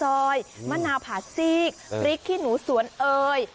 มะนาวผาซีกพริกขี้หนูสวนเอ่ย